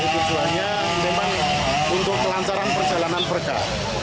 tujuannya memang untuk kelantaran perjalanan berkah